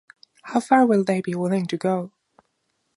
How far will they be willing to go?